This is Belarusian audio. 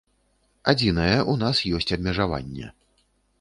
Адзінае, у нас ёсць абмежаванне.